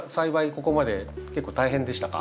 ここまで結構大変でしたか？